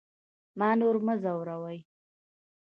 ما نور مه ځوروئ